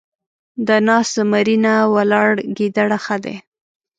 د ناست زمري نه ، ولاړ ګيدړ ښه دی.